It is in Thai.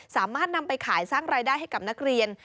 สามารถนำไปขายสร้างรายได้ให้กับนักเรียน